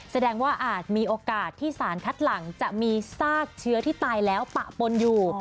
แสดงว่าอาจมีโอกาสที่สารคัดหลังจะมีซากเชื้อที่ตายแล้วปะปนอยู่